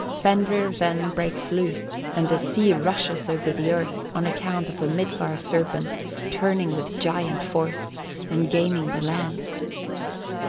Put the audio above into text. Fenrir then breaks loose, and the sea rushes over the earth, on account of the Midgard serpent turning with giant force, and gaining the land.